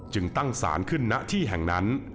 จึงตั้งสารขึ้นหน้าที่แห่งนั้น